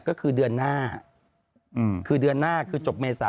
ก็คือเดือนหน้าคือเดือนหน้าคือจบเมษา